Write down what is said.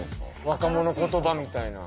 若者言葉みたいな。